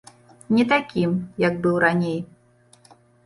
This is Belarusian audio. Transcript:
Не такім, як быў раней.